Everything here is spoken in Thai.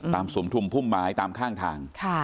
ตามสมทุมพุ่มไม้ตามข้างทางค่ะ